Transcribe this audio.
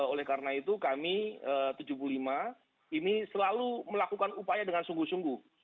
oleh karena itu kami tujuh puluh lima ini selalu melakukan upaya dengan sungguh sungguh